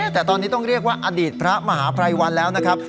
แต่ตอนนี้ต้องเรียกว่าอดีตพระมหาภัยวันแล้วนะครับ